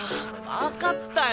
わかったよ。